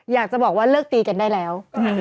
อยากจะบอกว่าเลิกตีกันได้แล้ว